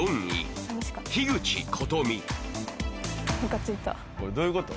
ムカついたこれどういうこと？